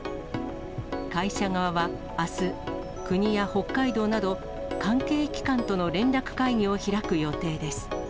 会社側は、あす、国や北海道など関係機関との連絡会議を開く予定です。